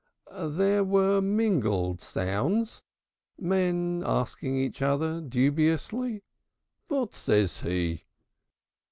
There were mingled sounds, men asking each other dubiously, "What says he?"